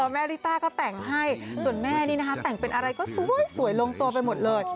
ริต้าก็แต่งให้ส่วนแม่นี่นะคะแต่งเป็นอะไรก็สวยลงตัวไปหมดเลย